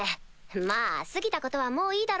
まぁ過ぎたことはもういいだろ？